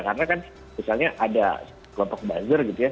karena kan misalnya ada kelompok buzzer gitu ya